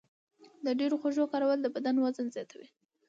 د ډېرو خوږو کارول د بدن وزن زیاتوي.